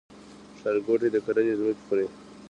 ښارګوټي د کرنې ځمکې خوري؟